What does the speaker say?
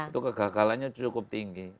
itu kegagalannya cukup tinggi